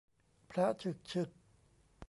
พระฉึกฉึก